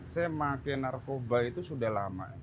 saya pakai narkoba itu sudah lama